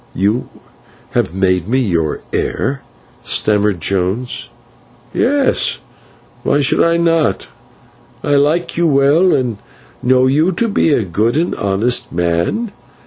"You have made me your heir!" stammered Jones. "Yes. Why should I not? I like you well, and know you to be a good and honest man.